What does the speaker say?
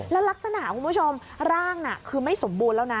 แล้วลักษณะคุณผู้ชมร่างน่ะคือไม่สมบูรณ์แล้วนะ